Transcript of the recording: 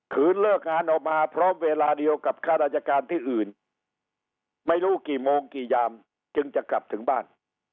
เลิกงานออกมาพร้อมเวลาเดียวกับข้าราชการที่อื่นไม่รู้กี่โมงกี่ยามจึงจะกลับถึงบ้าน